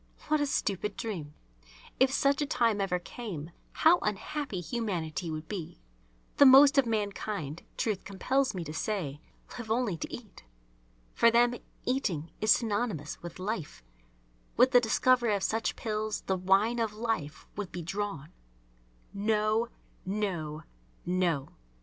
What a stupid dream! If such a time ever came, how unhappy humanity would be! The most of mankind, truth compels me to say, live only to eat. For them "eating" is synonymous with "life." With the discovery of such pills the wine of life would be drawn. No! No! No!